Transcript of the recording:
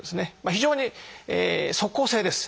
非常に即効性です。